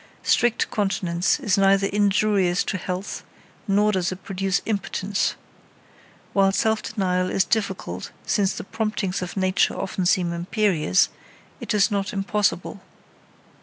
Strict continence is neither injurious to health, nor does it produce impotence. While self denial is difficult, since the promptings of nature often seem imperious, it is not impossible.